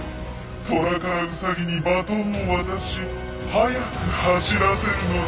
トラからウサギにバトンを渡し速く走らせるのだ。